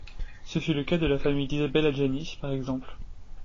Ce fut le cas de la famille d’Isabelle Adjani, par exemple.